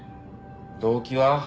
動機は？